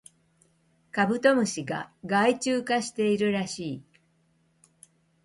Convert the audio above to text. カブトムシが害虫化しているらしい